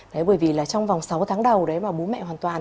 đấy bởi vì là trong vòng sáu tháng đầu đấy mà bố mẹ hoàn toàn